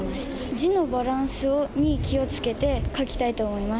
字のバランスに気をつけて書きたいと思います。